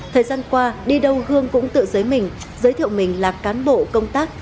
thời gian qua đi đâu hương cũng tự giới mình giới thiệu mình là cán bộ công tác